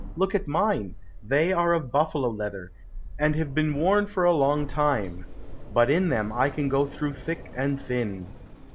Look at mine, they are of buffalo leather, and have been worn for a long time, but in them I can go through thick and thin."